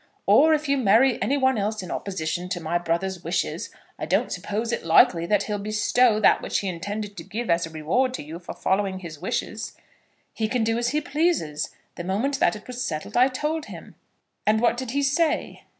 "Or if you marry any one else in opposition to my brother's wishes, I don't suppose it likely that he'll bestow that which he intended to give as a reward to you for following his wishes." "He can do as he pleases. The moment that it was settled I told him." "And what did he say?"